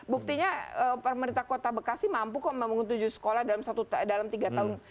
buktinya pemerintah kota bekasi mampu kok membangun tujuh sekolah dalam tiga tahun